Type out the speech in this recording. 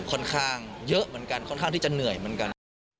ค่อนข้างเยอะเหมือนกันค่อนข้างที่จะเหนื่อยเหมือนกัน